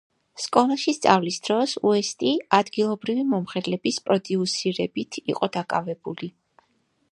სკოლაში სწავლის დროს, უესტი ადგილობრივი მომღერლების პროდიუსირებით იყო დაკავებული.